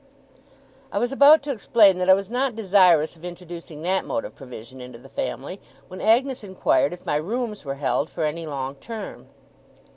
I was about to explain that I was not desirous of introducing that mode of provision into the family, when Agnes inquired if my rooms were held for any long term?